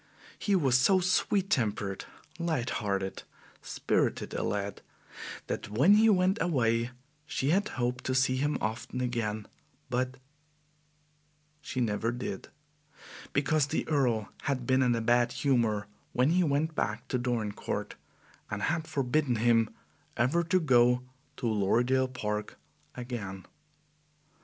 He was so sweet tempered, light hearted, spirited a lad, that when he went away, she had hoped to see him often again; but she never did, because the Earl had been in a bad humor when he went back to Dorincourt, and had forbidden him ever to go to Lorridaile Park again.